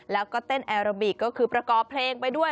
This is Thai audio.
แล้วก็เต้นแอโรบิกก็คือประกอบเพลงไปด้วย